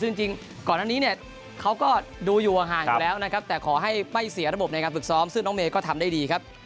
ซึ่งจริงก่อนอันนี้เนี่ยเขาก็ดูอยู่ห่างอยู่แล้วนะครับแต่ขอให้ไม่เสียระบบในการฝึกซ้อมซึ่งน้องเมย์ก็ทำได้ดีครับ